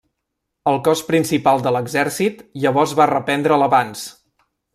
El cos principal de l'exèrcit llavors va reprendre l'avanç.